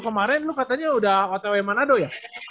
kemarin lu katanya udah otw manado ya